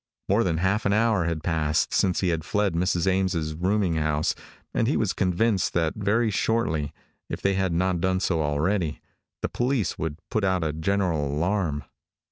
More than half an hour had passed since he had fled Mrs. Ames' rooming house and he was convinced that very shortly if they had not done so already the police would put out a general alarm.